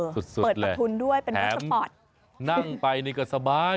สุดแหละแถมนั่งไปนี่ก็สบาย